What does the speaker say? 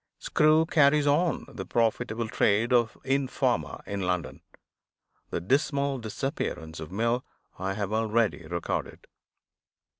Screw carries on the profitable trade of informer, in London. The dismal disappearance of Mill I have already recorded.